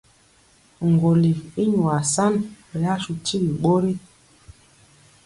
Ŋgɔli i nwa sa ri asu tigi ɓori.